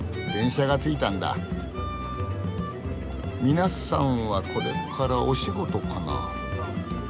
皆さんはこれからお仕事かな。